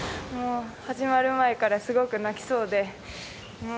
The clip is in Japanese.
始まる前からすごく泣きそうで。